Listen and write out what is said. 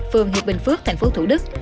phường hiệp bình phước thành phố thủ đức